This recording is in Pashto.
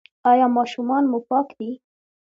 ایا ماشومان مو پاک دي؟